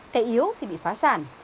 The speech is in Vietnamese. kẻ yếu thì bị phá sản